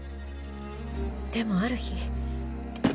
でもある日。